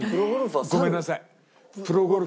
あっごめんなさい。